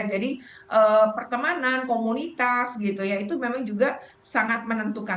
jadi pertemanan komunitas gitu ya itu memang juga sangat menentukan